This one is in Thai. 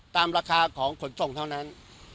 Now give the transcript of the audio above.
ตามราคาของขนส่งเท่านั้น